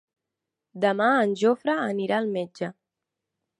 Demà en Jofre anirà al metge.